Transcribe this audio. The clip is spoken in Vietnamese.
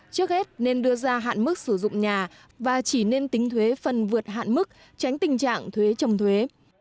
trước hết nên đưa ra hạn mức sử dụng nhà và chỉ nên tính thuế phần vượt hạn mức tránh tình trạng thuế trồng thuế